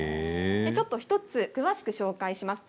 ちょっと１つ詳しく紹介します。